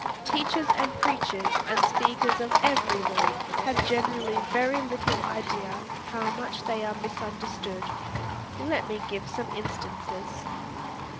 Teachers and preachers and speakers of every name have generally very little idea how much they are misunderstood. Let me give some instances.